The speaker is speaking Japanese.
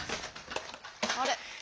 あれ？